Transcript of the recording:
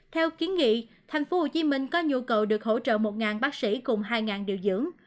theo kiến nghị thành phố hồ chí minh có nhu cầu được hỗ trợ một bác sĩ cùng hai điều dưỡng